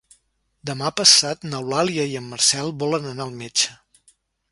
Demà passat n'Eulàlia i en Marcel volen anar al metge.